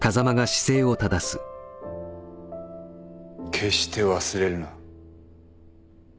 決して忘れるな。